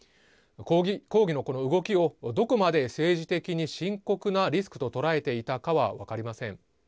抗議のこの動きをどこまで政治的に深刻なリスクと捉えていたかは分かりません。